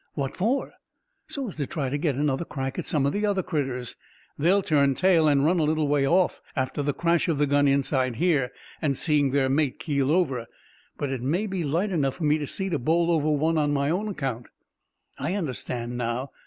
"What for?" "So as to try to get another crack at some of the other critters. They'll turn tail, and run a little way off after the crash of the gun inside here and seeing their mate keel over. But it may be light enough for me to see to bowl over one on my own account." "I understand now.